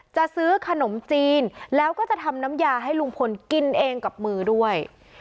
จะซื้อขนมจีนแล้วก็จะทำน้ำยาให้ลุงพลกินเองกับมือด้วย